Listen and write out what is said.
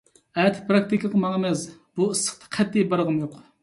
ئەتە پىراكتىكىغا ماڭىمىز. بۇ ئىسسىقتا قەتئىي بارغۇم يوق.